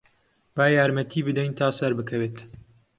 با یارمەتیی بدەین تا سەربکەوێت.